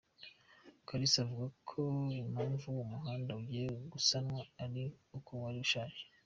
Kalisa avuga ko impamvu uwo muhanda ugiye gusanwa ari uko wari ushaje.